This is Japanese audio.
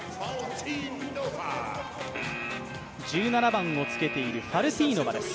１７番をつけているファルティーノバです。